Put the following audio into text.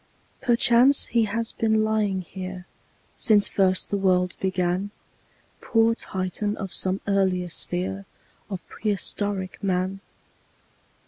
Perchance he has been lying here Since first the world began, Poor Titan of some earlier sphere Of prehistoric Man!